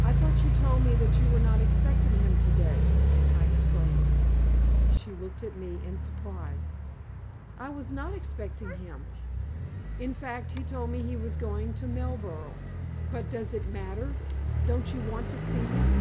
"I thought you told me that you were not expecting him to day!" I exclaimed. She looked at me in surprise. "I was not expecting him in fact, he told me that he was going to Mellborough. But does it matter? Don't you want to see him?"